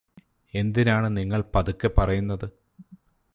എന്തിനാണ് നിങ്ങള് പതുക്കെ പറയുന്നത്